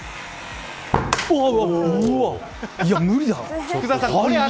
いや、無理だ。